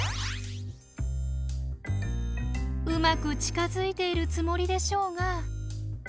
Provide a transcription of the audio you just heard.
うまく近づいているつもりでしょうが。